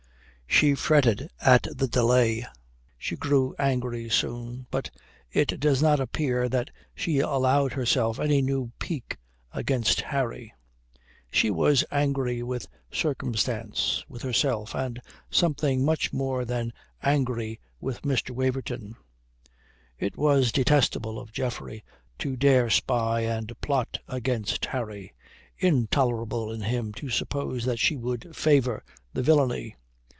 She fretted at the delay, she grew angry soon, but it does not appear that she allowed herself any new pique against Harry. She was angry with circumstance, with herself, and something much more than angry with Mr. Waverton. It was detestable of Geoffrey to dare spy and plot against Harry, intolerable in him to suppose that she would favour the villainy.